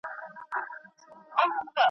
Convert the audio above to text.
رسول الله خوبونه درو ډولونو ته ويشلي دي.